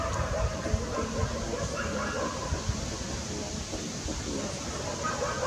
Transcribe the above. El interior no era sin embargo totalmente controlado por los portugueses.